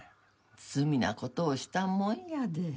罪な事をしたもんやで。